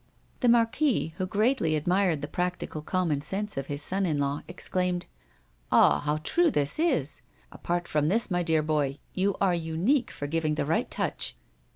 The Marquis, who greatly admired the practical common sense of his son in law, exclaimed: "Ah! how true this is! Apart from this, my dear boy, you are unique for giving the right touch."